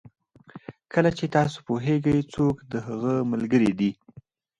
کله چې تاسو پوهېږئ څوک د هغه ملګري دي.